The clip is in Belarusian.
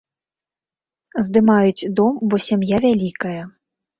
Здымаюць дом, бо сям'я вялікая.